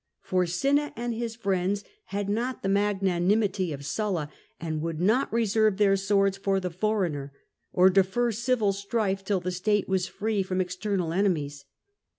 For Cinna and his friends had not the magnanimity of Sulla, and would not reserve their swords for the foreigner, or defer civil strife till the state was free from external enemies.